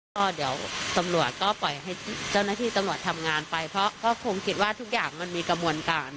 ก็เดี๋ยวตำรวจก็ปล่อยให้เจ้าหน้าที่ตำรวจทำงานไปเพราะก็คงคิดว่าทุกอย่างมันมีกระบวนการ